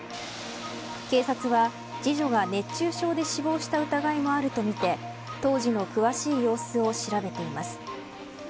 警察は次女が熱中症で死亡した疑いもあるとみて当時の詳しい様子を調べています。